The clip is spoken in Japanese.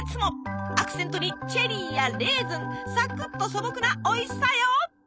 アクセントにチェリーやレーズンサクッと素朴なおいしさよ。